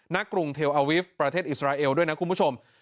กรุงเทลอาวิฟต์ประเทศอิสราเอลด้วยนะคุณผู้ชม